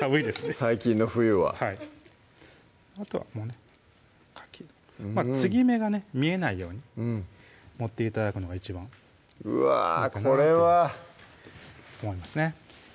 最近の冬はあとはもうかきの継ぎ目がね見えないように盛って頂くのが一番いいかなというふうに思いますね